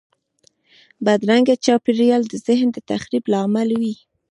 بدرنګه چاپېریال د ذهن د تخریب لامل وي